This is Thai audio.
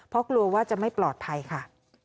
เพราะกลัวว่าจะไม่ปลอดภัยค่ะ